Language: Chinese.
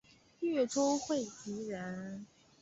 越州会稽人。